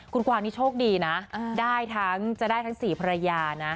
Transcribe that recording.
คุณกวางนี่โชคดีนะจะได้ทั้งสี่ภรรยานะ